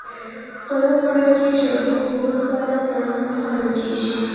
غنم خوړل کیږي خو اوسپنه نه خوړل کیږي.